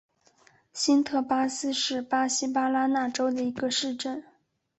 新特巴斯是巴西巴拉那州的一个市镇。